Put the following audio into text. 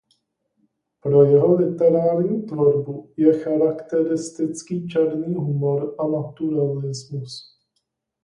Pro jeho literární tvorbu je charakteristický černý humor a naturalismus.